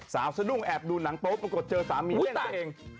สาวสนุกแอบดูหนังโป๊ะปรากฏเจอสามีเท่านั้นเอง